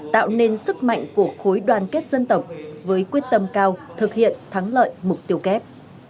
tạo nên sức mạnh của khối đoàn kết dân tộc với quyết tâm cao thực hiện thắng lợi mục tiêu kép